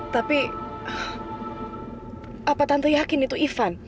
tapi apa tante yakin itu ivan